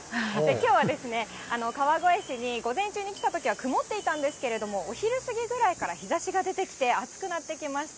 きょうは川越市に午前中に来たときは曇っていたんですけれども、お昼過ぎぐらいから日ざしが出てきて暑くなってきました。